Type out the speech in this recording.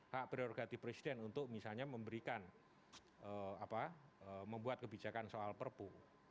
hak prioritas presiden untuk misalnya memberikan apa membuat kebijakan soal perbu